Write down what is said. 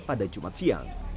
pada jumat siang